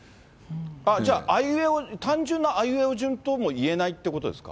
あ、じゃあ、単純なあいうえお順ともいえないということですか。